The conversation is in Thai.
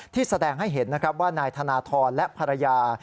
ที่แสดงให้เห็นว่านายธนทรและภรรยา